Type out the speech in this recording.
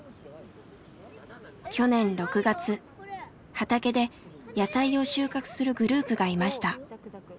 畑で野菜を収穫するグループがいました。